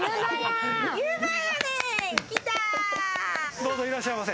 どうぞいらっしゃいませ。